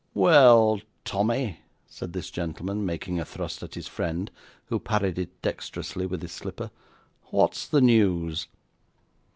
'Well, Tommy,' said this gentleman, making a thrust at his friend, who parried it dexterously with his slipper, 'what's the news?